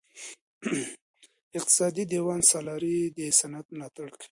اقتصادي دیوان سالاري د صنعت ملاتړ کوي.